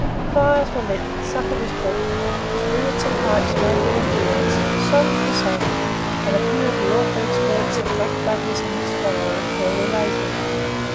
Fires were lit, supper was cooked, spirits and pipes made their appearance, songs were sung, and a few of the awful exploits of Black Douglas and his followers were related.